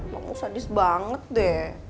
kamu sadis banget deh